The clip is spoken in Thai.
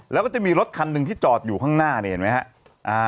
แล้วก็จะมีรถคันหนึ่งที่จอดอยู่ข้างหน้านี่เห็นไหมครับ